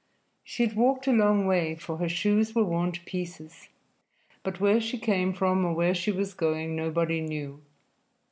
She had walked a long way, for her shoes were worn to pieces, but where she came from or where she was going nobody knew.